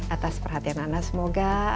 atas perhatian anda semoga